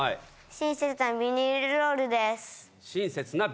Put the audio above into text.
親切なビニールロール